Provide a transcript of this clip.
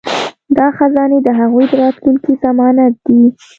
دا خزانې د هغوی د راتلونکي ضمانت دي.